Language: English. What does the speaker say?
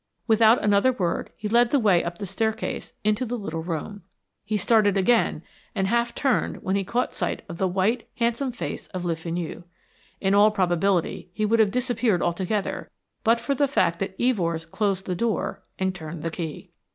Without another word he led the way up the staircase into the little room. He started again and half turned when he caught sight of the white, handsome face of Le Fenu. In all probability he would have disappeared altogether, but for the fact that Evors closed the door and turned the key.